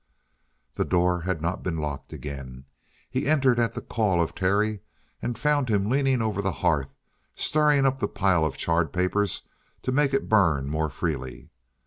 The door had not been locked again. He entered at the call of Terry and found him leaning over the hearth stirring up the pile of charred paper to make it burn more freely.